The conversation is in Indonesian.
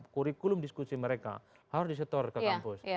kurikulum diskusi mereka harus disetor ke kampus